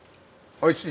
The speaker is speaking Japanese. おいしい！